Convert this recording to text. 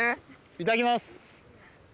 いただきます。